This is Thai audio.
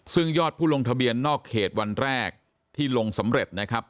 ซึ่งยอดผู้ลงทะเบียนนอกเขตวันแรกที่ลงสำเร็จนะครับ